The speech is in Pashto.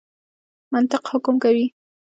منطق حکم کوي.